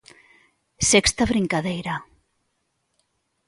Sexta brincadeira.